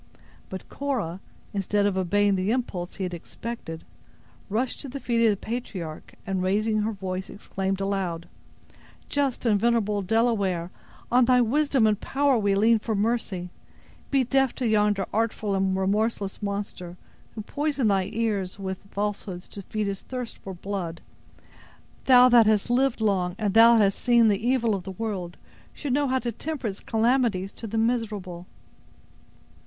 But Cora, instead of obeying the impulse he had expected, rushed to the feet of the patriarch, and, raising her voice, exclaimed aloud: "Just and venerable Delaware, on thy wisdom and power we lean for mercy! Be deaf to yonder artful and remorseless monster, who poisons thy ears with falsehoods to feed his thirst for blood. Thou that hast lived long, and that hast seen the evil of the world, should know how to temper its calamities to the miserable."